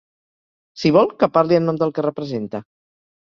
Si vol, que parli en nom del que representa.